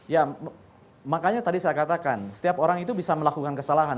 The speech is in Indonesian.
ya makanya tadi saya katakan setiap orang itu bisa melakukan kesalahan